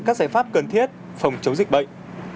các giải pháp cần thiết phòng chống dịch bệnh